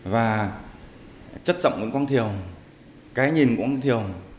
và chất giọng của nguyễn quang thiều cái nhìn của nguyễn quang thiều